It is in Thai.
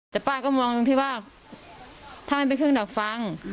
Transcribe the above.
แต่ป้าก็มองตรงที่ว่าถ้ามันเป็นเครื่องดักฟัง